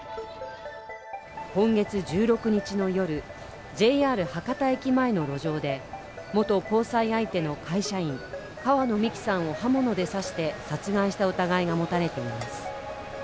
今月１６日の夜、ＪＲ博多駅前の路上で元交際相手の会社員、川野美樹さんを刃物で刺して殺害した疑いが持たれています。